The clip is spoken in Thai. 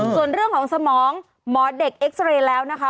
ส่วนเรื่องของสมองหมอเด็กเอ็กซาเรย์แล้วนะคะ